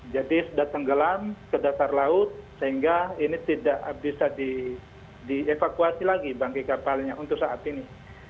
jadi sudah tenggelam ke dasar laut sehingga ini tidak bisa dievakuasi lagi bagi kapalnya untuk saat ini